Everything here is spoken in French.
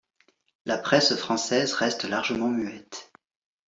La presse française reste largement muette.